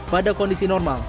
pada kondisi normal